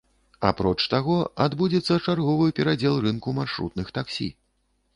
Апроч таго, адбудзецца чарговы перадзел рынку маршрутных таксі.